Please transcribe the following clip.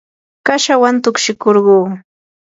kashawan tukshikurquu.